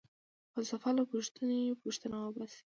فلسفه له پوښتنې٬ پوښتنه وباسي.